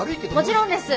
もちろんです！